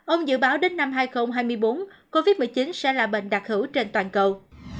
ông dự báo đến năm hai nghìn hai mươi bốn covid một mươi chín sẽ là bệnh đặc hữu trên toàn cầu